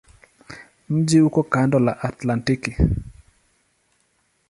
Mji uko kando la Atlantiki.